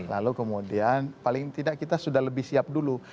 lalu kemudian paling tidak kita sudah lebih siap dulu